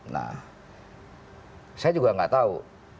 nah saya juga nggak tahu